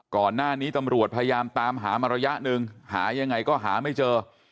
ก่อนหน้านี้ตำรวจพยายามตามหามาระยะหนึ่งหายังไงก็หาไม่เจอ